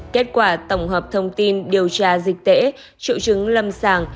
kết quả tổng hợp thông tin điều tra dịch tễ triệu chứng lâm sàng